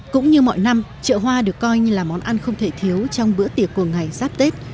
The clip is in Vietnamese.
cũng như mọi năm chợ hoa được coi như là món ăn không thể thiếu trong bữa tiệc của ngày giáp tết